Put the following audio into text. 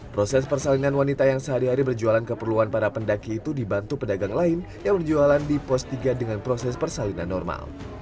proses persalinan wanita yang sehari hari berjualan keperluan para pendaki itu dibantu pedagang lain yang berjualan di pos tiga dengan proses persalinan normal